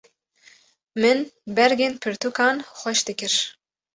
Min bergên pirtûkan xweş dikir.